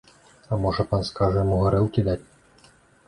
А можа, пан скажа яму гарэлкі даць?